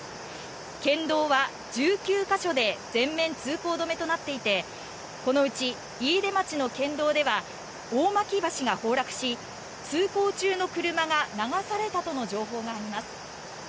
県道は１９か所で全面通行止めとなっていてこのうち飯豊町の県道では大巻橋が崩落し通行中の車が流されたとの情報があります。